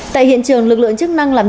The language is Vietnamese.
tại hiện trường lực lượng chức năng làm nhậu